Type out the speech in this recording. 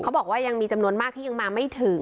บอกว่ายังมีจำนวนมากที่ยังมาไม่ถึง